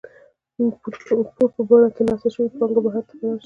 پور په بڼه ترلاسه شوې پانګه بهر ته فرار شي.